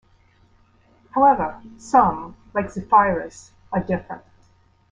However, some - like Zefiris - are different.